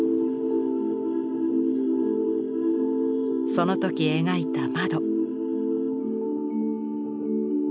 その時描いた窓。